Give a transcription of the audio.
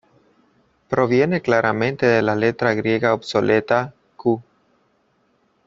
Proviene claramente de la letra griega obsoleta Ϙ.